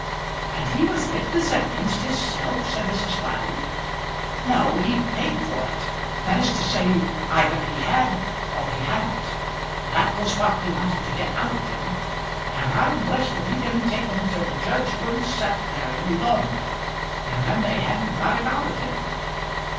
"And he was witness against hisself!" said Mrs. Smiley. "No; he'd paid for it. That is to say, either he had or he hadn't. That was what they wanted to get out of him, and I'm blessed if he didn't take 'em till the judge wouldn't set there any longer. And then they hadn't got it out of him."